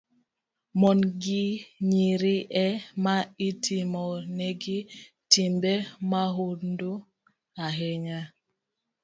Mon gi nyiri e ma itimonegi timbe mahundu ahinya